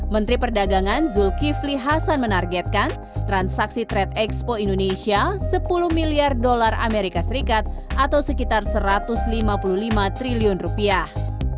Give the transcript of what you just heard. menteri perdagangan zulkifli hasan menargetkan transaksi trade expo indonesia sepuluh miliar dolar amerika serikat atau sekitar satu ratus lima puluh lima triliun rupiah